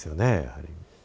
やはり。